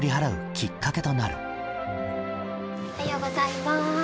おはようございます。